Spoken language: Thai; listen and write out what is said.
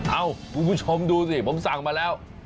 เอ้าคุณผู้ชมดูสิผมสั่งมาแล้ว